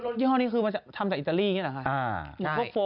ยี่ห้อนี้คือมันทำจากอิตาลีอย่างนี้เหรอคะ